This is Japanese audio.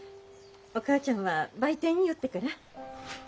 お母ちゃんは売店寄ってから。